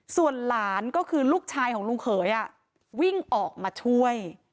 ส่วนหลานก็คือลูกชายของลุงเขยวิ่งออกมาช่วย